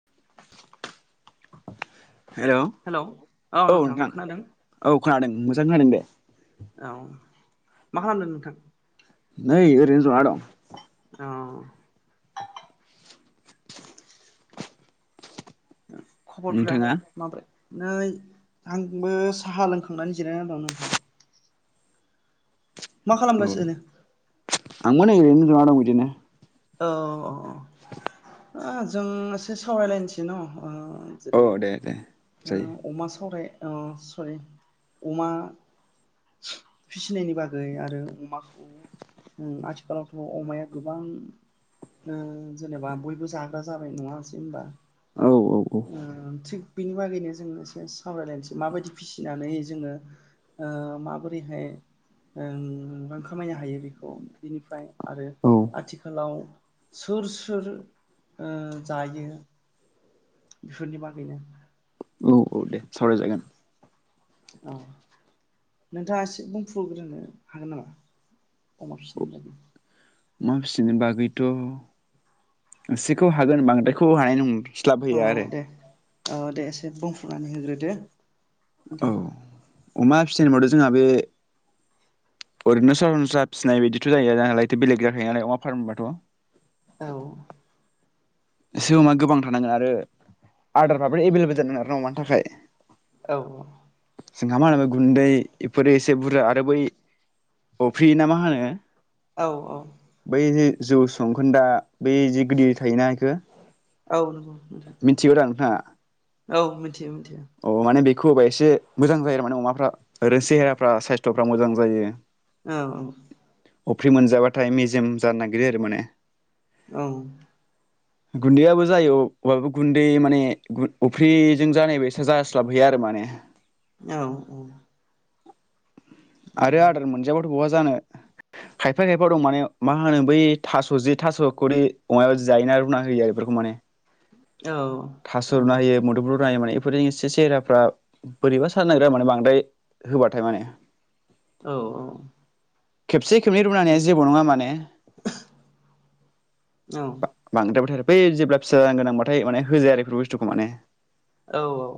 [inaudible] Hello औ नोंथां खोनादों औ खोनादों मोजां खोनादों दे औ मा खालामदों नोंथां? नै ओरैनो जना दं औ खबरफोरा नोंथाङा माब्रै? नै आंबो साहा लोंखांनानै जिरायनानै दं नोंथां मा औ खालामगासिनो? आंबो नै ओरैनो जना दं बिदिनो औ औ औ ओ जों एसे सावरायलायनोसै न ओ जेरै औ दे दे जायो अमा सावराय ओ सरि अमा फिसिनायनि बागै आरो अमाखौ आथिखालावथ अमाया गोबां ओ जेनेबा बयबो जाग्रा जाबाय नङासै होनबा औ औ ओ थिग बिनि बागैनो जोंनो एसे सावरायलायनोसै माबायदि फिसिनानै जोङो ओ माबोरैहाय ओं रां खामायनो हायो बेखौ बिनिफ्राय आरो औ आथिखालाव सोर सोर ओ जायो बेफोरनि बागैनो औ दे सावरायजागोन औ नोंथाङा एसे बुंफुग्रोनो हागोन नामा अमा औ फिनायनि बागै अमा फिसिनाय बागैथ एसेखौ हागोन बांद्रायखौ हानाय नं औ दे औ दे एसे बुं वान होग्रो दो औ नोंथां अमा फिसिनोबाथ जोंहा बे ओरैनो सरासनस्रा फिसिनाय बायदिथ जाहैया नालायथ बेलेग जाखायो नालाय अमा फारबाथ औ एसे माबा गोबां थानांगोन आरो आदारफ्राबो एभेलेबेल जानांगोन आरो ना अमानि थाखाय औ औ जोंहा मा जाबाय गुन्दै एफोरो एसे बुरजा आरो बै अफ्रि ना मा होनो औ औ बै जे जौ संखोन्दा बै जे गिदिर थायोना बेखौ औ नंगौ [unintelligible] मिथिगौ दा नोंथाङा औ मिन्थियो मिन्थियो खौ होबा एसे मोजां जायो आरो माने अमाफ्रा ओरैनो सेहेराफ्रा साइस्थफ्रा मोजां जायो औ औ अफ्रि मोनजाबाथाय मेजेम जानो नागिरो आरो माने औ गुन्दैयाबो जायो अ अबाबो गुन्दै माने अफ्रिजों जानाय बायसा जास्लाबहैया आरो माने औ औ आरो उम आदार मोनजाब बहा जानो खायफा खायफा दं माने मा होनो बै थास जि थास खरि अमाबो जि जायोना रुना होयो आरो बेफोरखौ माने औ थास औ रुना होयो मुदुपुल माने एफोरजों एसे सेराफ्रा बोरैबा सो जानो नागिरो आरो माने बांद्राय होबाथाय माने औ औ खेबसे खेबनै रुना होनाया जेबो नङा माने औ बांद्रायबाथाय आरो बै जेब्ला फिसा जानो गोनांबाथाय माने होजाया आरो बेफोर बुस्थुखौ माने औ औ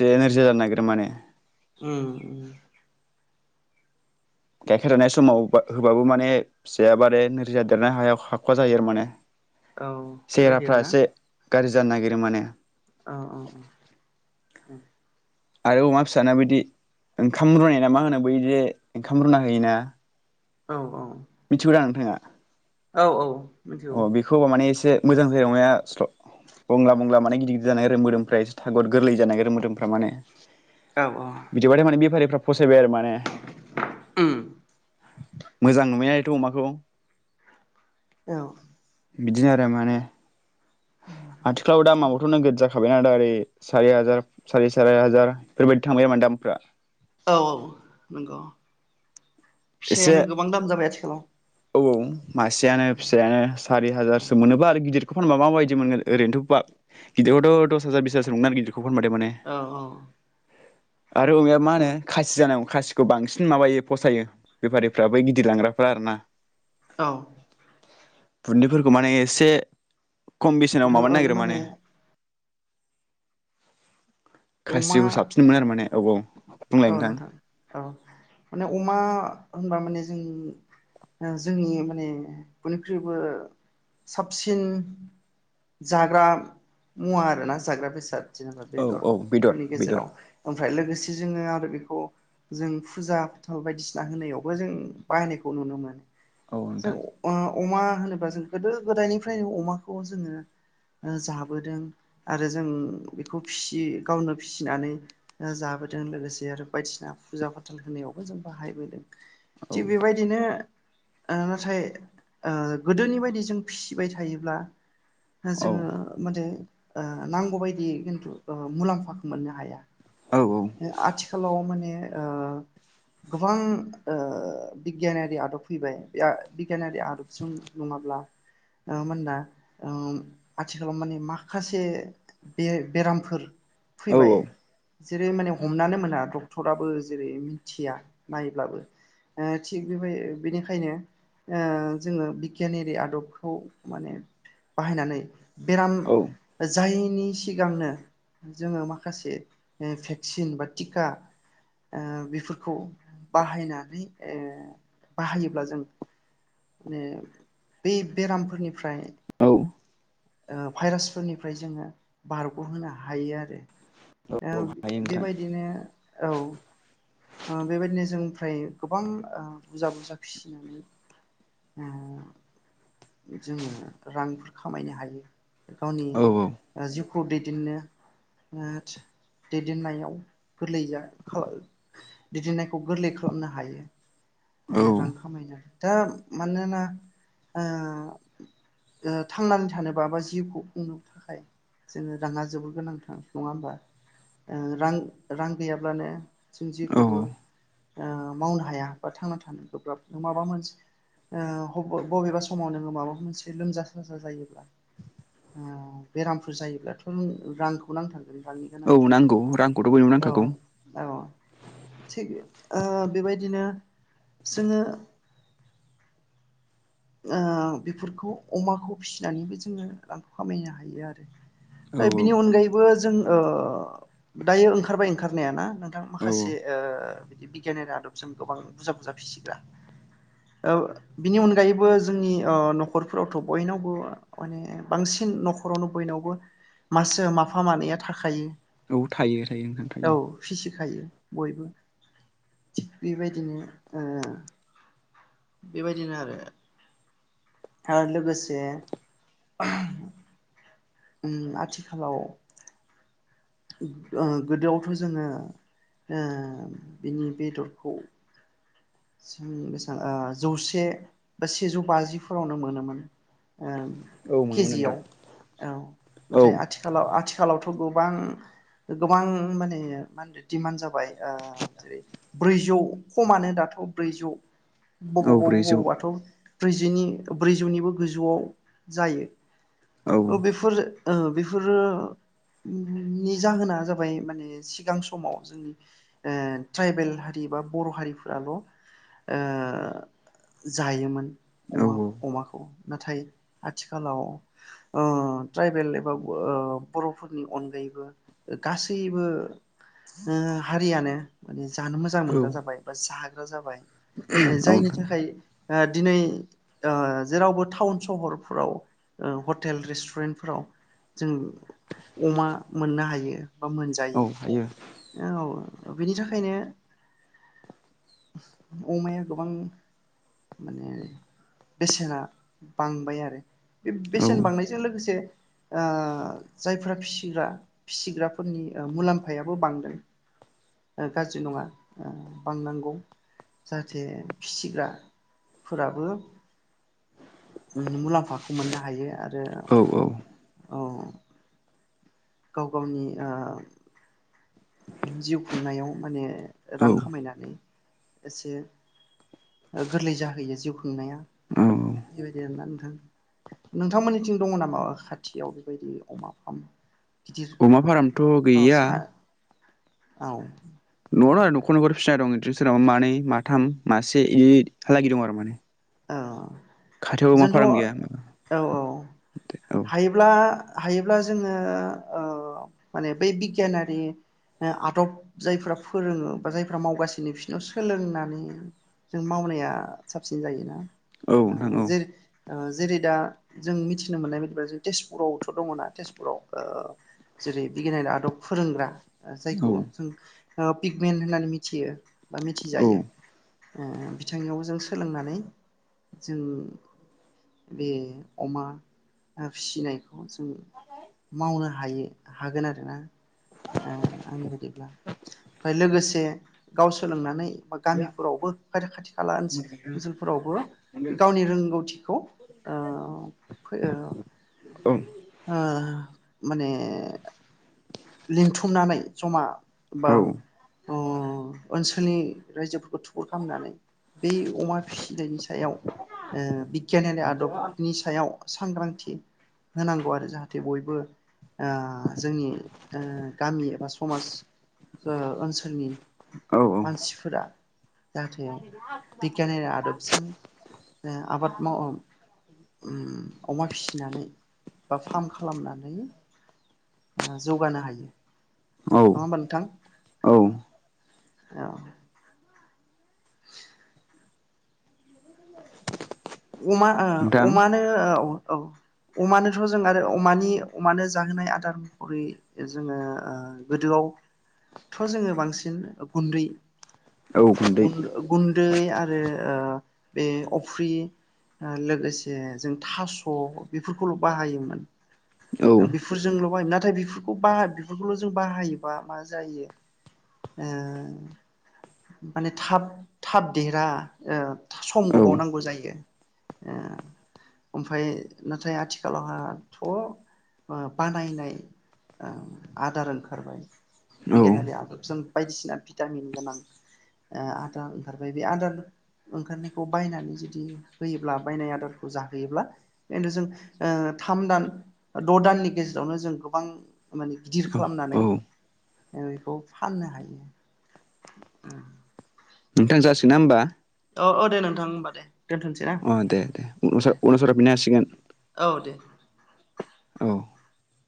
जे नोरजो जानो नागिरो माने उम उम गाइखेर जानाय समाव बा होबाबो माने फियाबो आरोे नोरजिया देरनायाव हा हाखवा जायो आरो माने औ बेबायदि सेहेराफ्रा आरो ना एसे गाज्रि जानो नागिरो माने औ औ औ ओं आरो अमा फिसाना बिदि ओंखाम रुनाय ना मा होनो बदि ओंखाम रुना होयोना औ औ मिथिगौदा नोंथाङा औ औ मिथिगौ अ बिखौबो माने एसे मोजां जायो अमाया स्ल बंला बंला माने गिदिर गिदिर जानो नागिरो आरो मोदोमफ्रा एसे थागद गोरलै जानो नागिरो आरो मोदोमफ्रा माने औ बिदिबाथाय माने बेफारिफोरा फसायबाय आरो माने मोजां नुयो थ अमाखौ औ बिदिनो आरो माने आथिखालाव दा मावथो नों जाखा खाबायना आदा ओरै सारि हाजार साराय सारि हाजार बेफोरबायदि थांबाय आरो माने दामफोरा से एसे आनो गोबां दाम जाब आथिखालाव औ औ मासेयानो फिसायानो सारि हाजारसो मोनोबा आरो गिदिरखौ फानबा माबायदि मोनगोन ओरैनोथ गिदिरआवथ दस हाजार बिसो मोनगोन आरो गिद खौ फानबाथाय माने औ औ आरो अमायाबो मा होनो औ खासि जानांगौ खासिखौ बांसिन माबायो फसायो बेफारिफ्रा बै गिदिर लांग्राफ्रा आरो ना औ बुन्दैफोरखौ माने एसे खम बेसेनाव नोंथां औ माबानो नागिरो माने अमा खासिखौ साबसिन मोनो आरो माने औ [unintelligible] औ नोंथां औ माने अमा होनबा माने जों जोंनि माने बयनिख्रुइबो साबसिन जाग्रा मुवा आरोना जाग्रा बेसाद जेनेबा औ औ बेदर बेदरफोरनि बेदर गेजेराव ओमफ्राय लोगोसे जोङो आरो बेखौ जों फुजा फाथाल बायदिसिना होनायावबो जों बायनायखौ नुनो मोनो औ जों नोंथां अ अमा होनोबा जों गोदो गोदायनिफ्रायनो अमाखौ जोङो जाबोदों आरो जों बेखौ फिसि गावनो फिसिनानै जाबोदों जों लोगोसे आरो बायदिसिना फुजा फाथाल होनायावबो जों बाहायबोदों औ थिग बेबायदिनो ओ नाथाय ओ गोदोनि बायदि जों फिसिबाय थायोब्ला औ जोङो माने ओ नांगौ बायदि खिन्थु मुलाम्फाखौ मोननो हाया औ आथिखालाव माने ओ गोबां ओ बिगियानारि आदब फैबाय बिगियानारि आदबजों नङाब्ला ओ मानोना उम आथिखालाव माने माखासे बे बेरामफोर औ फैबाय जेरै माने हमनानै मोना डक्टराबो जेरै मिथिया नायब्लाबो ओ थिग बेबाय बेनिखायनो जोङो बिगियानारि आदबखौ माने बाहायनानै बेराम औ जाय नि सिगांनो जोङो माखासे ओ भेक्सिन बा टिका ओ बेफोरखौ बाहायनानै ओ बाहायोब्ला जों माने बे बेरामफोरनिफ्राय औ ओ भाइरासफोरनिफ्राय जोङो बारगहोनो हायो आरो औ हायो नोंथां बेबायदिनो औ ओ बेबायदिनो जों फ्राय गोबां ओ बुरजा बुरजा फिसिनानै ओ जोङो रांफोर खामायनो हायो। गावनि औ ओ जिउ खौ दैदेननो ओथ दैदेननायाव गोरलै जा [unintelligible] दैदेननायखौ गोरलै खालामनो हायो। ओ औ रां खामायनो हायो दा मानोना ओ ओ थांनानै थानोबाबो जिउखौ खुंनो थाखाय जोङो राङा जोबोर गोनांथार नङा होनबा रां रां गैयाब्लानो जों औ जेखौबो ओ मावनो हाया थांना थानो गोब्राब माबा मोनसे ओ बबेबा समाव नोङो माबा मोनसे लोमजा साजा जायोब्ला ओ बेरामफोर जायोब्लाथ रांखौ नांथारगोन। रांनि औ गोनांथि नांगौ रांखौथ बयनोबो औ नांखागौ। औ थिग ओ बेबायदिनो जोङो ओ बेफोरखौ अमाखौ फिसिनानैबो जोङो रांखौ खामायनो हायो आरो। ओ औ बिनि अनगायैबो जों अ दायो ओंखारबाय ओंखारनाया ना? नोंथां औ माखासे ओ बिगियानारि आदबजों गोबां बुरजा बुरजा फिसिग्रा बिनि ओ अनगायै अनगायैबो जोंनि ओ नखरफोरावथ बयनावबो माने बांसिन नखरावनो बयनावबो मासे माफा मानैआ थाखायो औ थायो थायो नोंथां थायो थायो बयबो थिग बेबायदिनो ओ बेबायदिनो आरो आरो लोगोसे [unintelligible] ओम आथिखालाव ओ गोदोआवथ' जोङो ओ बिनि बेदरखौ जों [unintelligible] ओ जौसे बा सेजौ बाजिफोरावनो मोनोमोन ओं औ मोनगोन नोंथां केजियाव औ नाथाय औ आथिखालाव आथि आथिखालावथ' गोबां गोबां माने मा होनो दिडमान्ड जाबाय ओ जेरै ब्रैजौ खमानो दाथ' ब्रैजौ बबाव औ ब्रैजौ बबावबाथ' ब्रैजिनि ब्रैजौनिबो गोजौआव जायो औ ओ बेफोर ओ बेफोरो नि जाहोना जाबाय माने सिगां समाव जोंनि ओ ट्राइबेल हारि बा बर' हारिफोराल' ओ जायोमोन औ अमा अमाखौ नाथाय आथिखालाव ओ ट्राइबेल एबा ओ बरफोरनि अनगायैबो गासैबो ओ हारियानो माने जानो मोजां औ औ मोनगोन जाबाय बा जा ग्रा जाबाय जायनि नोंथां थाखाय ओ दिनै ओ जेरावबो टाउन सहरफ्राव ओ हटेल रेस्टुरेन्टफोराव जों अमा मोननो हायो बा मोनजायो औ हायो औ ओ बिनि थाखायनो अमाया गोबां माने बेसेना बांबाय आरो बे औ बेसेन बांनायजों लोगोसे ओ जायफोरा फिसिग्रा फिसिग्राफोरनि मुलामफायाबो बांदों गाज्रि नङा ओ बांनांगौ जाहाथे फिसिग्राफोराबो मु-मुलाम्फाखौ मोननो हायो आरो जे आरो औ औ गाव गावनि ओ जिउ खुंनायाव माने रां औ खामायनानै एसे गोरलै जाहैयो खुंनाया औ बेबायदि आरोना नोंथांमोननिथिं दङ नामा खाथियाव बेबायदि अमा फार्म गिदिर अमा फारामथ औ गैया सा औ नआवनो आरो नखर नखर फिसिनाय दङो सोरनाबा मानै माथाम मासे इ बिहालागि दं आरो माने औ खाथियावबो अमा जोंथ' फार्म गैया औ औ औ हायोब्ला हायोब्ला जोङो ओ माने बै बिगियानारि ओ आदब जायफ्रा फोरोङो बा जायफोरा मावगासिनो बिसिरनाव सोलोंनानै जों मावनाया साबसिन जायोना औ ओ नोंथां औ जेरै ओ जेरै दा जों मिथिनो मोननाय बायदिब्ला जों तेजपुरावथ दङना तेजपुराव ओ जेरै बिगियाननि आदब फोरोंग्रा ओ औ जायखौ जों ओ पिगमेन होननानै मिथियो बा औ मिथिजायो ओ बिथांनियाव जों सोलोंनानै जों बे अमा ओ फिनाय जों मावनो हा हायो हागोन आरोना ओ आंनि बादिब्ला ओमफ्राय लोगोसे गाव सोलोंनानै गामिफोरावबो आरो खाथि खाला ओनसो-ओनसोलफोरावबो गावनि रोंगौथिखौ ओ फो ओ ओं ओम माने लिंथुमनानै जमा औ बाम उम ओनसो बै रायजोफोरखौ थुुबुर खालामनानै बै अमा फिसिनायनि सायाव ओ बिगियानयारि आदबनि सायाव सांग्रांथि होनांगौ आरो जाहाथे बयबो आ जोंनि ओ गामि एबा समाज ओ ओनसो सोलनि औ मानसिफोरा जाहाथे बिगियानारि आदबजों ओ आबाद माव उम अमा फिसिनानै बा फार्म खालामनानै आ जौगानो हायो नङा होनबा नोंथां औ औ [inaudible] अमा ओ नोंथां अमानो औ औ अमानोथ जों आरो अमानि अमानो जाहोनाय आदार महरै जोङो ओ गोदोआवथ जोङो बांसिन गुन्दै औ गुन्दै गु-गुन्दै आरो ओ बे अफ्रि ओ लोगोसे जों थास बेफोरखौल बाहायोमोन औ बेफोरजोंल [unintelligible] थाय बेफोरखौ बा बेफोरखौ जों बाहायोबा मा जायो उम माने थाब थाब देरा सम औ गोबाव नांगौ जायो। ओ ओमफाय नाथाय आथिखालावहाथ ओ बानायनाय ओ आदार ओंखारबाय औ बिगियानारि आदबजों बायदिसिना भिटामिन गोनां आदार ओंखारबाय बे आदार ओंखारनायखौ बायनानै जुदि होयोब्ला बायनाय आदारखौ जाहोयोब्ला खिन्थु जों ओ थाम दान द दाननि गेजेरावनो जों गोबां माने गिदिर औ खालामनानै बेखौ फाननो हायो। नोंथां जासिगोनना होमबा औ औ दे नोंथां होमबा दे दोनथ'सै ना उम दे दे [unintelligible] दे हासिगोन औ दे औ